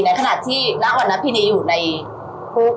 ในขณะที่นักหวัดนักพี่นีอยู่ในคุก